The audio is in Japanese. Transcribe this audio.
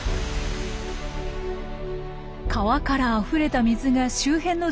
川からあふれた水が周辺の住宅地に広がり